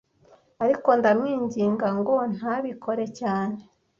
ariko ndamwinginga ngo ntabikore cyane